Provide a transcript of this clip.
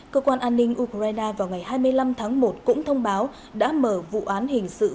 cơ quan an ninh ukraine vào ngày hai mươi năm tháng một cũng thông báo đã mở vụ án hình sự